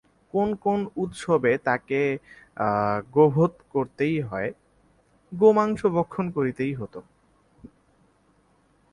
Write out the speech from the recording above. কোন কোন উৎসবে তাকে গোবধ করতেই হত, গোমাংস ভক্ষণ করতেই হত।